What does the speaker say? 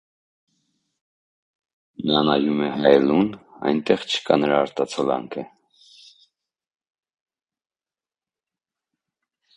Նա նայում է հայելուն. այնտեղ չկա նրա արտացոլանքը։